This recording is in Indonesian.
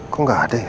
kok gak ada ya